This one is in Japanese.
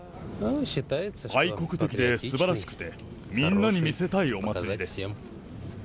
愛国的ですばらしくて、みんなに見せたいお祭りです。